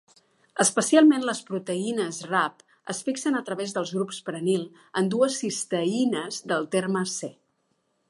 Especialment, les proteïnes Rab es fixen a través dels grups prenil en dues cisteïnes del terme C.